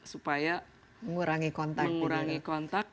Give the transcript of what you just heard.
supaya mengurangi kontak